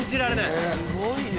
すごいよ。